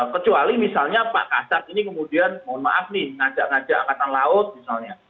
kecuali misalnya pak kasar ini kemudian mohon maaf nih ngajak ngajak angkatan laut misalnya